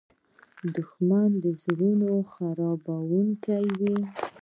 دښمن د زړونو خرابوونکی وي